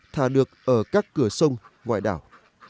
thà được ở các cửa sông ngoại đảo